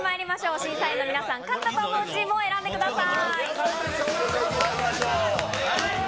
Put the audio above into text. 審査員の皆さん、勝ったと思うチームを選んでください。